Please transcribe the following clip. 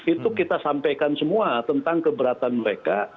itu kita sampaikan semua tentang keberatan mereka